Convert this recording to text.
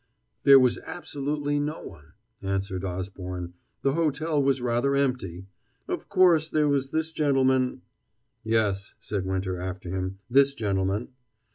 "There was absolutely no one," answered Osborne. "The hotel was rather empty. Of course, there was this gentleman " "Yes," said Winter after him, "this gentleman."